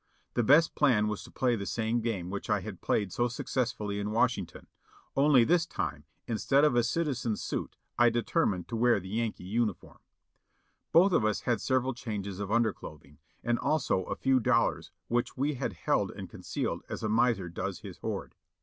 The best plan was to play the same game which I had played so successfully in Washington, only this time, instead of a citizen's suit, I determined to wear the Yankee uniform. Both of us had several changes of underclothing, and also a few dollars which we had held and concealed as a miser does his hoard.